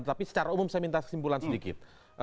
tapi secara umum saya minta kesimpulan sedikit